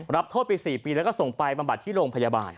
รับโทษไป๔ปีแล้วก็ส่งไปบำบัดที่โรงพยาบาล